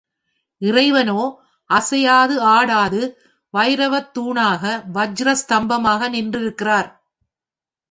இறைவனோ அசையாது ஆடாது வைரத்தூணாக, வஜ்ர ஸ்தம்பமாக நின்றிருக்கிறார்.